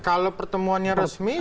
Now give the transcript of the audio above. kalau pertemuannya resmi sih